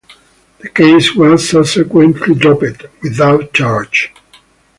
The case was subsequently dropped, without charges.